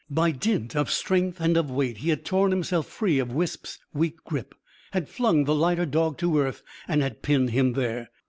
By dint of strength and of weight, he had torn himself free of Wisp's weak grip, had flung the lighter dog to earth and had pinned him there.